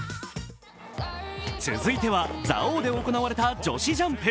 続いては蔵王で行われた女子ジャンプ。